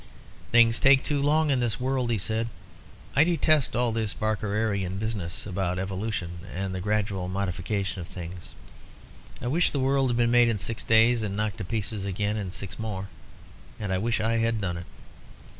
"Things take too long in this world," he said. "I detest all this Barkerian business about evolution and the gradual modification of things. I wish the world had been made in six days, and knocked to pieces again in six more. And I wish I had done it.